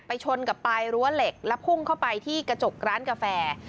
ชนกับปลายรั้วเหล็กและพุ่งเข้าไปที่กระจกร้านกาแฟ